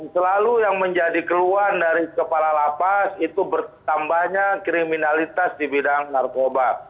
selalu yang menjadi keluhan dari kepala lapas itu bertambahnya kriminalitas di bidang narkoba